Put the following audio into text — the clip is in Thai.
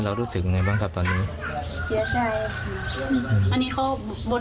เรารู้สึกยังไงบ้างกับตอนนี้เสียใจอันนี้เขาได้บอกหรือไหม